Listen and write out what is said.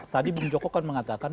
tadi bu chako kan mengatakan